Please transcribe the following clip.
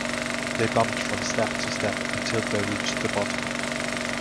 They bumped from step to step until they reached the bottom.